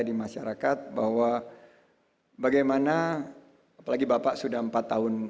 di masyarakat bahwa bagaimana apalagi bapak sudah empat tahun